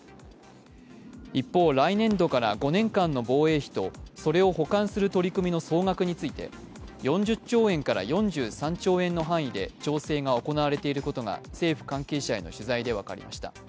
一方、来年度から５年間の防衛費とそれを補完する取り組みの総額について４０兆円から４３兆円の範囲で調整が行われていることが政府関係者への取材で分かりました。